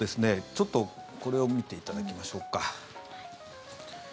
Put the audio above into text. ちょっとこれを見ていただきましょうか。